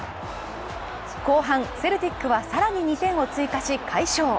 後半、セルティックは更に２点を追加し快勝。